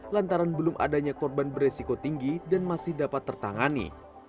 lantaran belum adanya korban beresiko tinggi dan masih dapat tertangani